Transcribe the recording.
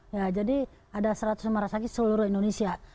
ya jadi ada seratus rumah sakit seluruh indonesia